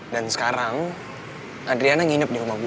dan sekarang adriana nginep di rumah gue